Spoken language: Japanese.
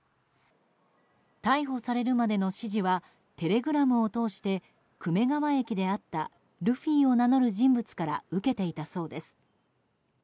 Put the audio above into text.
逮捕されるまでの指示はテレグラムを通して久米川駅で会ったルフィを名乗る人物から受けていたそうです。